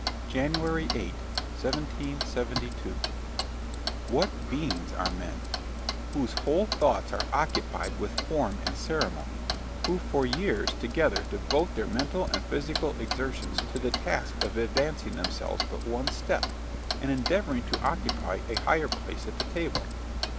JANUARY 8, 1772. What beings are men, whose whole thoughts are occupied with form and ceremony, who for years together devote their mental and physical exertions to the task of advancing themselves but one step, and endeavouring to occupy a higher place at the table.